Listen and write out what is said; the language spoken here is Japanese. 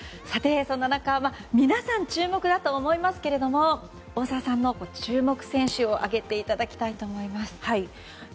そんな中皆さん注目だと思いますが大澤さんの注目選手を挙げていただきたいと思います。